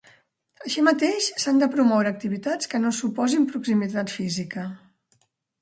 Així mateix, s'han de promoure activitats que no suposin proximitat física.